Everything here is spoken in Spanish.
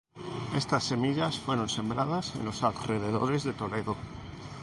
Estas semillas fueron sembradas en los alrededores de Toledo.